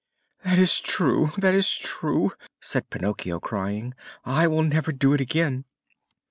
"That is true, that is true!" said Pinocchio, crying. "I will never do it again."